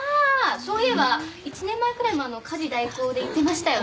そういえば１年前くらいも家事代行で行ってましたよね。